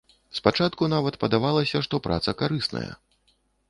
Спачатку нават падавалася, што праца карысная.